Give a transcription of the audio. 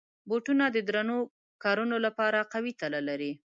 بوټونه د درنو کارونو لپاره قوي تله لري.